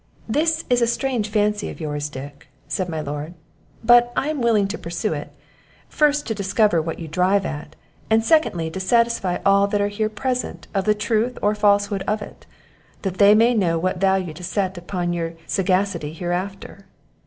"This is a strange fancy of yours, Dick," said my lord; "but I am willing to pursue it, first, to discover what you drive at; and, secondly, to satisfy all that are here present of the truth or falsehood of it, that they may know what value to set upon your sagacity hereafter.